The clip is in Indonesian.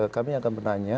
kami akan bertanya